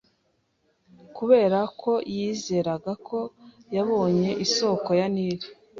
Kubera ko yizeraga ko yabonye isoko ya Nili